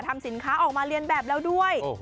ทำสินค้าออกมาเรียนแบบแล้วด้วย